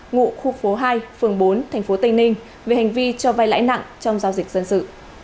ngụ khu phố hai phường bốn tp tây ninh về hành vi cho vai lãi nặng trong giao dịch dân sự